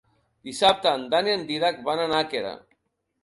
Dissabte en Dan i en Dídac van a Nàquera.